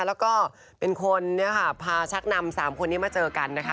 แล้วก็เป็นคนพาชักนำ๓คนนี้มาเจอกันนะคะ